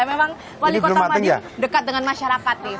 memang wali kota dekat dengan masyarakat nih